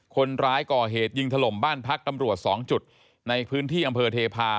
คนร้ายก่อเหตุยิงถล่มบ้านพักตำรวจ๒จุดในพื้นที่อำเภอเทพา